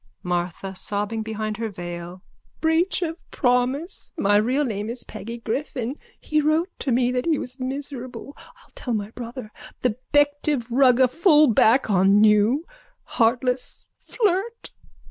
MARTHA: (Sobbing behind her veil.) Breach of promise. My real name is Peggy Griffin. He wrote to me that he was miserable. I'll tell my brother, the Bective rugger fullback, on you, heartless flirt.